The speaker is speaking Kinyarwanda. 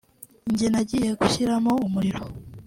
njye nagiye gushyiramo umuriro